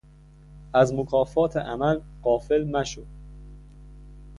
از مکافات عمل غافل مشو